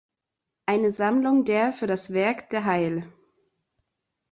Eine Sammlung der für das Werk der heil.